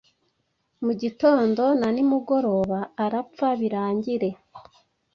mugitondo na nimugoroba arapfa birangire